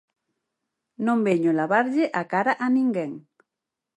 Non veño lavarlle a cara a ninguén.